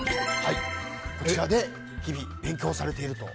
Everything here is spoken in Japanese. こちらで日々勉強をされていると。